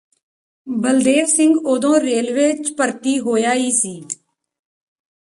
ਬਲਦੇਵ ਸਿੰਘ ਉਦੋਂ ਰੇਲਵੇ ਚ ਭਰਤੀ ਹੋਇਆ ਈ ਸੀ